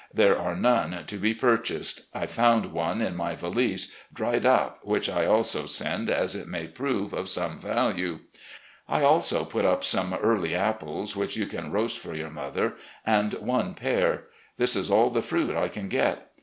There are none to be purchased. I found one in my valise, dried up, which I also send, as it may prove of some value. I also put up some early apples which you can roast for your mother, and one pear. This is all the fruit I can get.